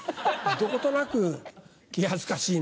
どことなく気恥ずかしいなという。